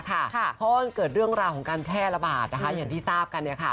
เพราะว่ามันเกิดเรื่องราวของการแพร่ระบาดอย่างที่ทราบกัน